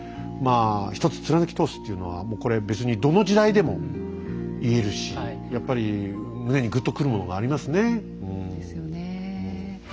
まあ１つ貫き通すっていうのはこれ別にどの時代でも言えるしやっぱり胸にぐっとくるものがありますねうん。